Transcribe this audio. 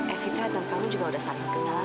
evita dan kamu juga udah saling kenal